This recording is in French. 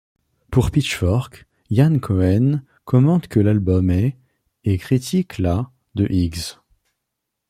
Pour Pitchfork, Ian Cohen commente que l'album est et critique la de Higgs.